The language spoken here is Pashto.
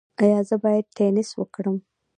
ایا زه باید ټینس وکړم؟